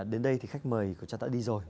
đến đây thì khách mời của chúng ta đã đi rồi